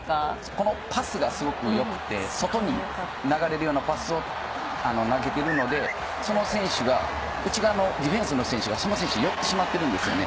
このパスがすごくよくて、外に流れるようなパスを投げているので、その選手が内側のディフェンスの選手が、その選手によってしまってるんですね。